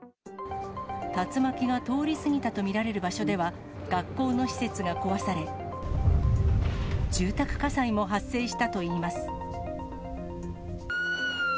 竜巻が通り過ぎたと見られる場所では、学校の施設が壊され、住宅火災も発生したといいます。